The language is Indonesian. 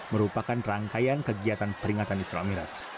merupakan rangkaian kegiatan peringatan islamirat